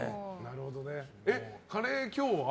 カレー、今日は？